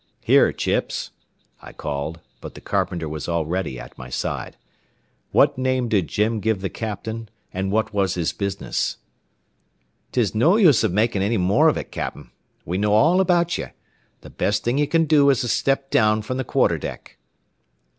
"Here, Chips," I called, but the carpenter was already at my side. "What name did Jim give the captain, and what was his business?" "'Tis no use av makin' any more av it, cap'n. We know all about ye. Th' best thing ye can do is to step down from the quarter deck."